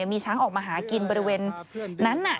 มีช้างออกมาหากินบริเวณนั้น